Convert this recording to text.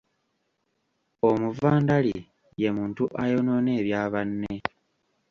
Omuvandali ye muntu ayonoona ebya banne.